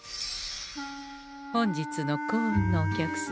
本日の幸運のお客様。